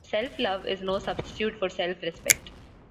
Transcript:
Self-love is no substitute for self-respect.